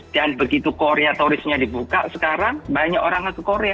dan begitu korea tourism nya dibuka sekarang banyak orang ke korea